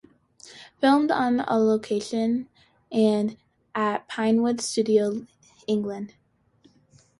Filmed on location and at Pinewood Studios England.